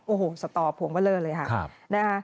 โอ้โหสตอผวงเวลาเลยค่ะ